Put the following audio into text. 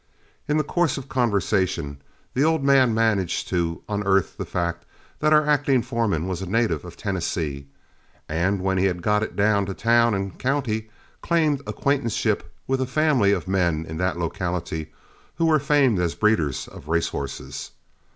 In the course of conversation, the old man managed to unearth the fact that our acting foreman was a native of Tennessee, and when he had got it down to town and county, claimed acquaintanceship with a family of men in that locality who were famed as breeders of racehorses.